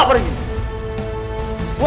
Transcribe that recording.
pergi di facebook